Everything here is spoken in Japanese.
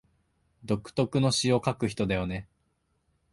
独特の詩を書く人だよね